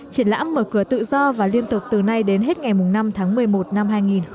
triển lãm mở cửa tự do và liên tục từ nay đến hết ngày năm tháng một mươi một năm hai nghìn một mươi chín